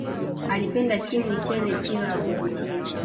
alipenda timu icheze mpira wa kuvutia